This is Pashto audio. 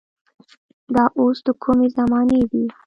دا اوس د کومې زمانې دي.